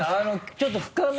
ちょっと深め。